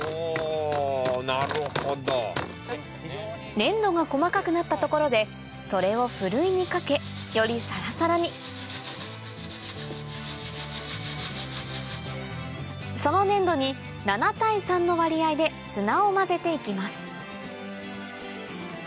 粘土が細かくなったところでそれをふるいにかけよりサラサラにその粘土に７対３の割合で砂を混ぜて行きます